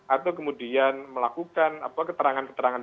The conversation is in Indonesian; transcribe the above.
atau kemudian melakukan keterangan keterangan